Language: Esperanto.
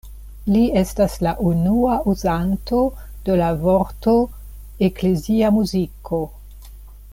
Li estas la unua uzanto de la vorto „eklezia muziko“.